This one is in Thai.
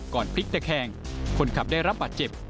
พลิกตะแคงคนขับได้รับบาดเจ็บ